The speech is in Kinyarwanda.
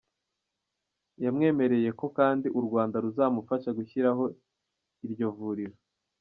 Yamwemereye ko kandi u Rwanda ruzamufasha gushyiraho iryo vuriro.